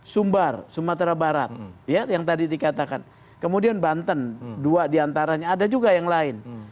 sumbar sumatera barat ya yang tadi dikatakan kemudian banten dua diantaranya ada juga yang lain